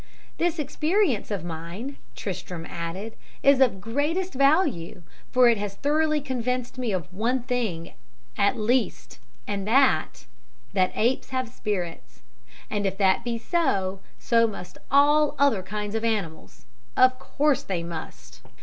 "This experience of mine," Tristram added, "is of the greatest value, for it has thoroughly convinced me of one thing at least and that that apes have spirits! And if that be so, so must all other kinds of animals. Of course they must."